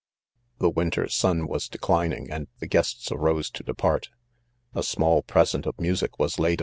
The winter sun was declining and the guests aro'se' to depart, A small present of music was laid!